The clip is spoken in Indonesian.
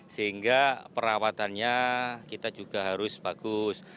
sehingga perawatannya kita juga harus bagus